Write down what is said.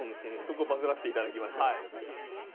そこバズらせて頂きましょう。